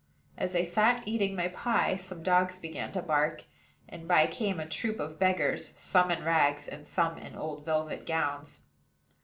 As I sat eating my pie, some dogs began to bark; and by came a troop of beggars, some in rags, and some in old velvet gowns.